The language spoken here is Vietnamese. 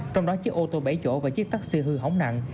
trong đó chiếc ô tô bảy chỗ và chiếc taxi hư hỏng nặng